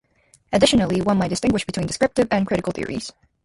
Additionally, one might distinguish between descriptive and critical theories.